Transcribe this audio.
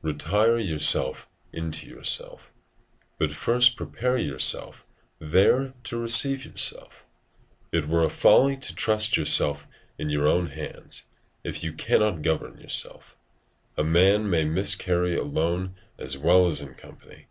Retire yourself into yourself, but first prepare yourself there to receive yourself: it were a folly to trust yourself in your own hands, if you cannot govern yourself. A man may miscarry alone as well as in company.